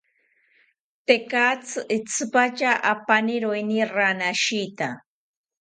Tekatzi itzipatya apaniroeni ranashita